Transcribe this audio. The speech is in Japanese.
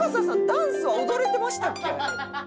ダンスは踊れてましたっけ？」